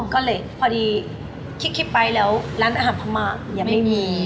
ก็เลยพอดีคิดไปแล้วร้านอาหารพม่ายังไม่มี